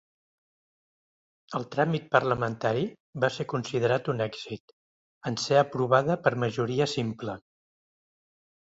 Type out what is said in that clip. El tràmit parlamentari va ser considerat un èxit, en ser aprovada per majoria simple.